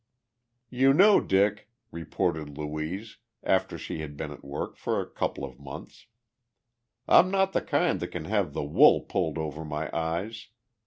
"You know, Dick," reported Louise, after she had been at work for a couple of months, "I'm not the kind that can have the wool pulled over my eyes.